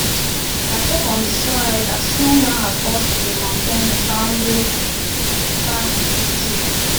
Dans ces conditions, la rédaction d’un rapport supplémentaire ne semble pas utile.